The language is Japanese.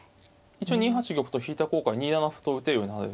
２八玉と引いた方が２七歩と打てるようになる。